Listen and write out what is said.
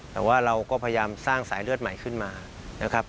แต่ว่าเราก็พยายามสร้างสายเลือดใหม่ขึ้นมานะครับ